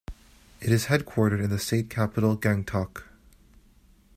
It is headquartered in the state capital Gangtok.